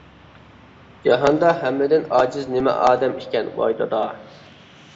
جاھاندا ھەممىدىن ئاجىز نېمە ئادەم ئىكەن، ۋاي داد!